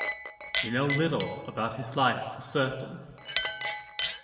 We know little about his life for certain.